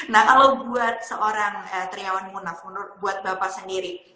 nah kalau buat seorang triawan munaf menurut bapak sendiri